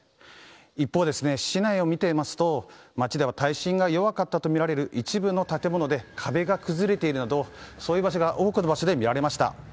一方、市内を見てみますと街では耐震が弱かったとみられる一部の建物で壁が崩れているなどそういう場所が多くの場所で見られました。